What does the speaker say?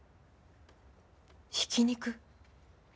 ひき肉？